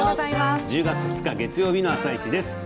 １０月２日月曜日の「あさイチ」です。